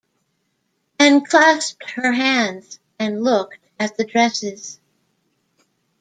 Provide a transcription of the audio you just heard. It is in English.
Anne clasped her hands and looked at the dresses.